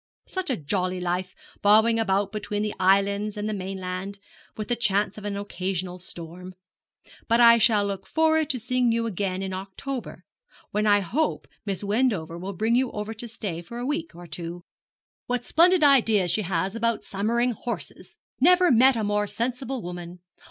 Such a jolly life, bobbing about between the islands and the mainland, with the chance of an occasional storm. But I shall look forward to seeing you again in October, when I hope Miss Wendover will bring you over to stay for a week or two. What splendid ideas she has about summering hunters! never met a more sensible woman.